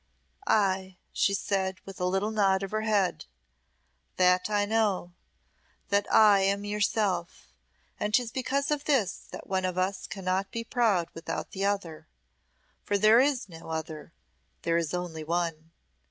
"Ay," she said, with a little nod of her head, "that I know that I am yourself; and 'tis because of this that one of us cannot be proud with the other, for there is no other, there is only one.